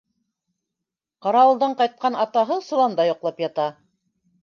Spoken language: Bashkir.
Ҡарауылдан ҡайтҡан атаһы соланда йоҡлап ята.